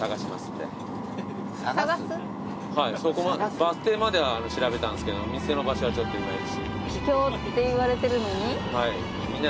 バス停までは調べたんですけどお店の場所はちょっといまいち。